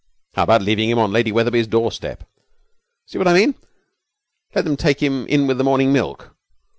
'How about leaving him on Lady Wetherby's doorstep? See what I mean let them take him in with the morning milk?